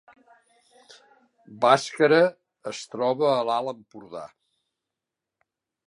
Bàscara es troba a l’Alt Empordà